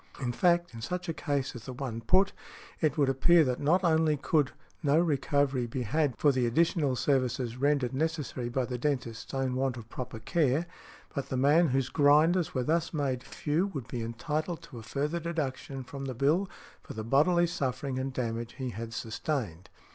In fact, in such a case as the one put, it would appear that not only could no recovery be had for the additional services rendered necessary by the dentist's own want of proper care, but the man whose grinders were thus made few would be entitled to a further deduction from the bill for the bodily suffering and damage he had sustained .